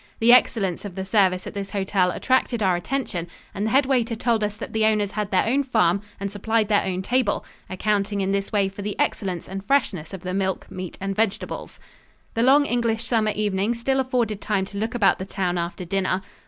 The excellence of the service at this hotel attracted our attention and the head waiter told us that the owners had their own farm and supplied their own table accounting in this way for the excellence and freshness of the milk, meat and vegetables. The long English summer evening still afforded time to look about the town after dinner.